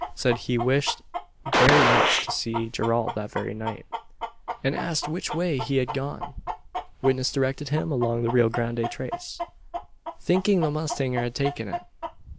Said he wished very much to see Gerald that very night; and asked which way he had gone. Witness directed him along the Rio Grande trace thinking the mustanger had taken it.